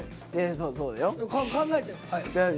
そうそうだよ。